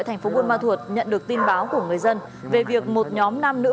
thành phố buôn ma thuột nhận được tin báo của người dân về việc một nhóm nam nữ